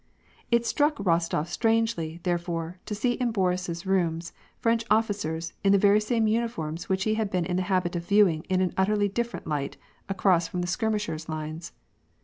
It struck Eostof strangely, therefore, to see in Boris's rooms French officers, in the very same uniforms which he had been iD the habit of viewing in an utterly different light, across from the skirmisher's lines.